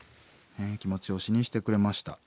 気持ちを詩にしてくれました。